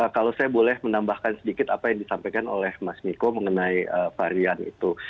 kalau saya boleh menambahkan sedikit apa yang disampaikan oleh mas miko mengenai varian itu